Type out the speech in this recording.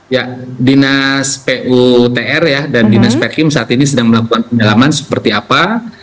ya dinas putr ya dan dinas perkim saat ini sedang melakukan pendalaman seperti apa